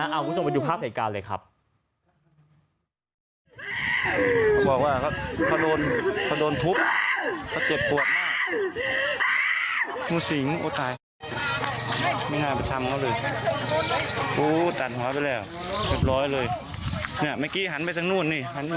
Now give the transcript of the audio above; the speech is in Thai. คุณผู้ชมไปดูภาพเหตุการณ์เลยครับ